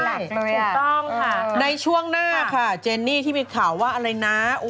ถูกต้องค่ะในช่วงหน้าค่ะเจนนี่ที่มีข่าวว่าอะไรนะ